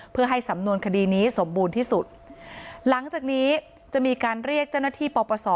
เพื่อให้สำนวนคดีนี้สมบูรณ์ที่สุดหลังจากนี้จะมีการเรียกเจ้าหน้าที่ปปศ